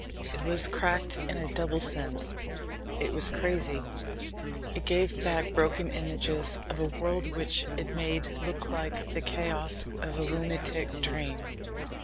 It was cracked in a double sense it was crazy. It gave back broken images of a world which it made look like the chaos of a lunatic dream.